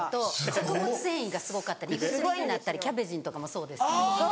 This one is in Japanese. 食物繊維がすごかったり胃薬になったりキャベジンとかもそうですけど。